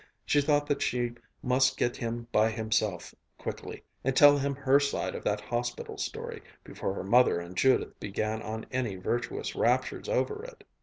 She thought that she must get him by himself quickly and tell him her side of that hospital story, before her mother and Judith began on any virtuous raptures over it.